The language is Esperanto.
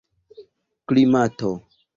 klimato